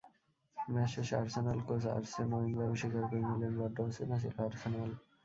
Match শেষে Arsenal coach Arsene ওয়েঙ্গারও স্বীকার করে নিলেন, বড্ড অচেনা ছিল আর্সেনাল।